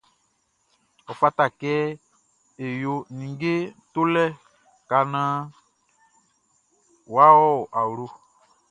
Ɔ fata kɛ e wɔ ninnge tolɛ ka naan yʼa wɔ awlo.